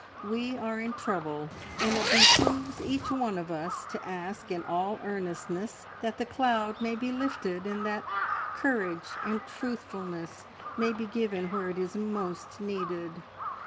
We are in trouble, and it behoves each one of us to ask in all earnestness that the cloud may be lifted, and that courage and truthfulness may be given where it is most needed.